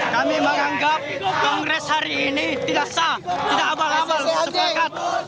kami menganggap kongres hari ini tidak sah tidak abal abal sepakat